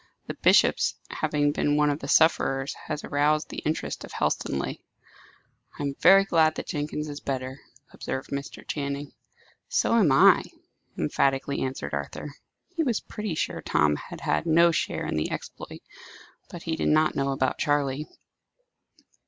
The bishop's having been one of the sufferers has aroused the interest of Helstonleigh." "I am very glad that Jenkins is better," observed Mr. Channing. "So am I," emphatically answered Arthur. He was pretty sure Tom had had no share in the exploit; but he did not know about Charley.